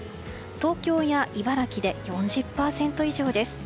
東京や茨城で４０％以上です。